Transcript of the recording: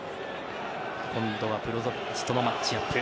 今度はブロゾヴィッチとのマッチアップ。